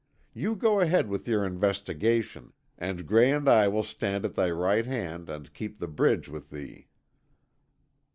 You go ahead with your investigations and Gray and I will stand at thy right hand and keep the bridge with thee."